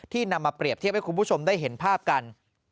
นำมาเปรียบเทียบให้คุณผู้ชมได้เห็นภาพกัน